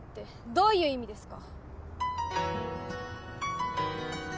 どういう意味ですか？